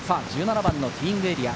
１７番のティーイングエリア。